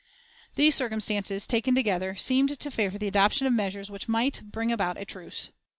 These circumstances, taken together, seemed to favor the adoption of measures which might bring about a truce.